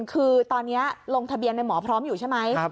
คือตอนนี้ลงทะเบียนในหมอพร้อมอยู่ใช่ไหม